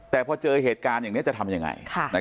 แต่พอเจอเหตุการณ์อย่างนี้จะทำยังไง